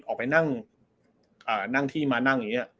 ออกไปนั่งอ่านั่งที่มานั่งเงี้ย